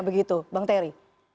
begitu bang terry